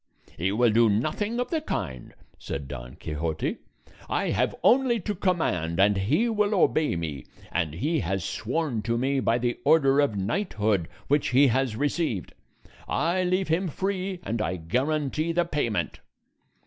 "He will do nothing of the kind," said Don Quixote; "I have only to command and he will obey me, and he has sworn to me by the order of knighthood which he has received. I leave him free, and I guarantee the payment."